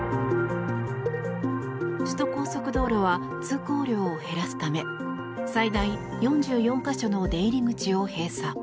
首都高速道路は通行量を減らすため最大４４か所の出入り口を閉鎖。